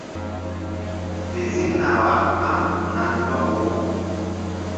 Fe ziŋna wah gbam na ndɔk wo.